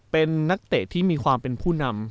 เป็นนักเตะที่มีความเป็นผู้นำ